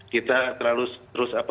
kita terus berusaha